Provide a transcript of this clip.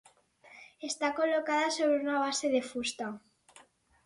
Està col·locada sobre una base de fusta.